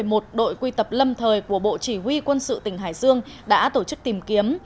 một đội quy tập lâm thời của bộ chỉ huy quân sự tỉnh hải dương đã tổ chức tìm kiếm